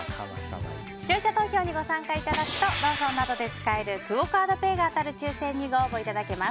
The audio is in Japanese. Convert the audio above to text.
視聴者投票にご参加いただくとローソンなどで使えるクオ・カードペイが当たる抽選にご応募いただけます。